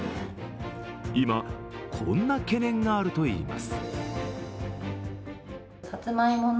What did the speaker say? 今、こんな懸念があるといいます。